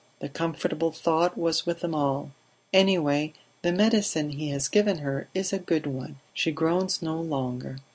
The comfortable thought was with them all: "Anyway the medicine he has given her is a good one; she groans no longer."